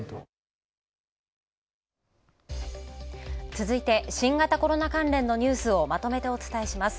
続いて新型コロナ関連のニュースをまとめてお伝えします。